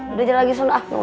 udah jadi lagi sondak mau tidur